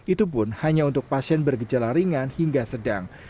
itu pun hanya untuk pasien bergejala ringan hingga sedang